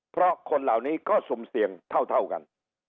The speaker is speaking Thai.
เพราะคนเหล่านี้ก็สุ่มเสี่ยงเท่ากัน